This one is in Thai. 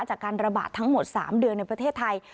จากการระบาดทั้งหมด๓เดือนในประเทศไทย